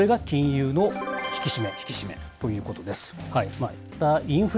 これが金融の引き締めということです。